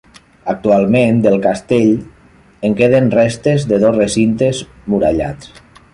Actualment, del castell en queden restes de dos recintes murallats.